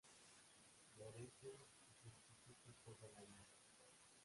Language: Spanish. Florece y fructifica todo el año.